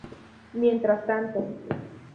Mientras tanto.